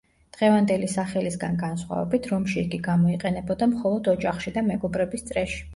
დღევანდელი სახელისგან განსხვავებით, რომში იგი გამოიყენებოდა მხოლოდ ოჯახში და მეგობრების წრეში.